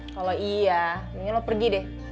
kalau iya ini lo pergi deh